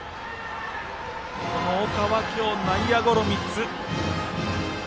岡は今日内野ゴロ３つ。